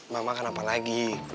mama kenapa lagi